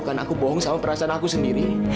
aku gak mau bohong sama perasaan aku sendiri